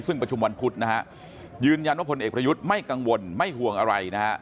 ซึ่งประชุมวันพุธนะฮะยืนยันว่าพลเอกประยุทธ์ไม่กังวลไม่ห่วงอะไรนะฮะ